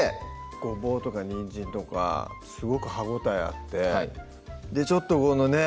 ごぼうとかにんじんとかすごく歯応えあってちょっとこのね